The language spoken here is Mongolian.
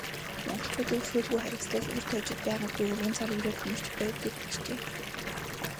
Монголчуудын өршөөлгүй харгислал урьд хожид байгаагүй өргөн цар хүрээг хамарч байв гэж бичжээ.